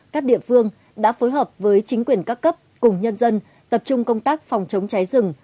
các địa phương đã phối hợp với chính quyền các cấp cùng nhân dân tập trung công tác phòng chống cháy rừng